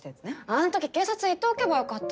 あのとき警察へ行っておけばよかった。